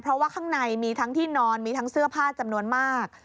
เพราะว่าข้างในมีทั้งที่นอนมีทั้งเสื้อผ้าจำนวนมาก